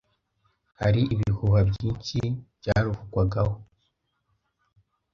hari ibihuha byinshi byaruvugwagaho